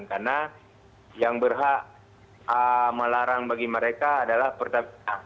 karena yang berhak melarang bagi mereka adalah pertamina